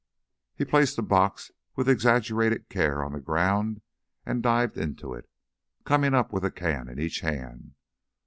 He placed the box with exaggerated care on the ground and dived into it, coming up with a can in each hand.